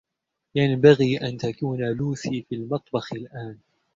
ينبغي أن تكون لوسي في المطبخ الآن.